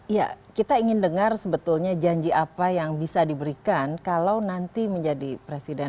ya kita ingin dengar sebetulnya janji apa yang bisa diberikan kalau nanti menjadi presiden